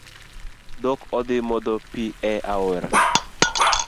Dhok odhii modho pii e aora.